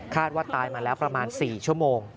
ว่าตายมาแล้วประมาณ๔ชั่วโมง